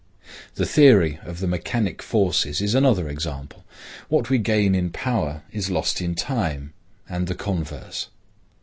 The theory of the mechanic forces is another example. What we gain in power is lost in time, and the converse.